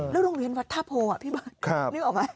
เป็นวัฒนภพอ่ะพี่บ้านนึกออกไหม